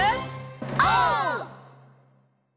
オー！